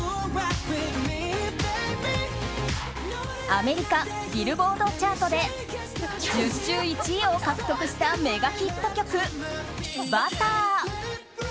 アメリカビルボードチャートで１０週１位を獲得したメガヒット曲「Ｂｕｔｔｅｒ」。